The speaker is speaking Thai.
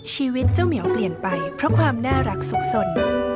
ชีวิตเจ้าเหมียวเปลี่ยนไปเพราะความน่ารักสุขสน